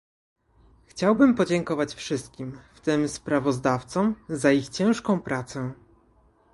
Chciałbym podziękować wszystkim, w tym sprawozdawcom, za ich ciężką pracę